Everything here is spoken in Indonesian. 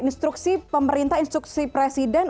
instruksi pemerintah instruksi presiden